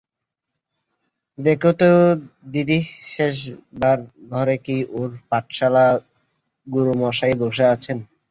দেখো তো দিদি, শোবার ঘরে কি ওঁর পাঠশালার গুরুমশায় বসে আছেন?